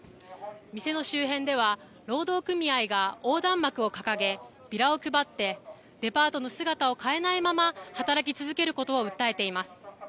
店の周辺では労働組合が横断幕を掲げ、ビラを配ってデパートの姿を変えないまま働き続けることを訴えています。